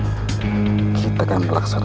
aku udah sampaikan